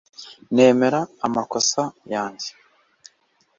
nemera amakosa yanjye